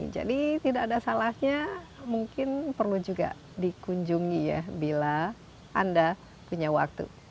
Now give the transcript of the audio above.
jadi tidak ada salahnya mungkin perlu juga dikunjungi ya bila anda punya waktu